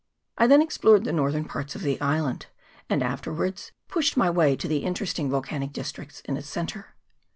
I then ex plored the northern parts of the island, and after wards pushed my way to the interesting volcanic districts in its centre.